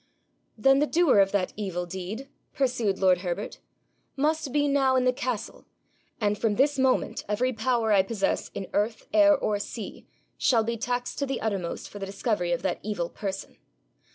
'Then the doer of that evil deed,' pursued lord Herbert, 'must be now in the castle, and from this moment every power I possess in earth, air, or sea, shall be taxed to the uttermost for the discovery of that evil person.